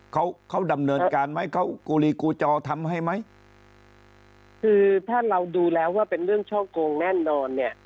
เขาเขาดำเนินการไหมเขากูลีกูจอทำให้ไหมคือถ้าเราดูแล้วว่าเป็นเรื่องช่อโกงแน่นอนเนี่ย